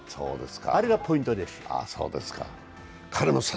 あれがポイントでした。